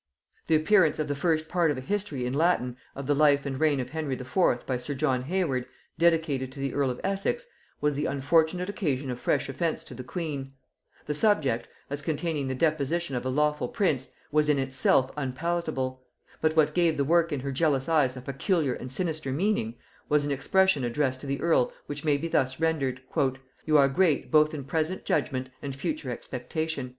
The appearance of the first part of a history in Latin of the life and reign of Henry IV. by sir John Hayward, dedicated to the earl of Essex, was the unfortunate occasion of fresh offence to the queen; the subject, as containing the deposition of a lawful prince, was in itself unpalatable; but what gave the work in her jealous eyes a peculiar and sinister meaning was an expression addressed to the earl which may be thus rendered: "You are great both in present judgement and future expectation."